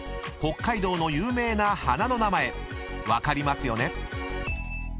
［北海道の有名な花の名前分かりますよね？］